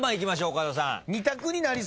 岡田さん。